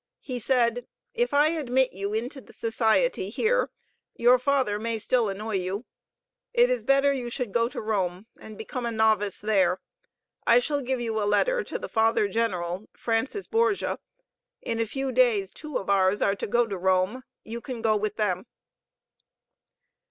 He said: "If I admit you into the Society here, your father may still annoy you. It is better you should go to Rome and become a novice there. I shall give you a letter to the Father General, Francis Borgia. In a few days two of ours are to go to Rome. You can go with them."